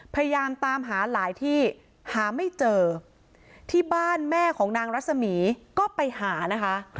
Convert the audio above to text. พยายามตามหาหลายที่หาไม่เจอที่บ้านแม่ของนางรัศมีร์ก็ไปหานะคะ